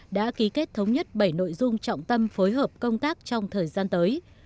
đã ký kết thống nhất bảy nội dung trọng tâm phối hợp công tác trong thời gian tới